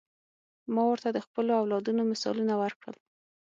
ما ورته د خپلو اولادونو مثالونه ورکړل.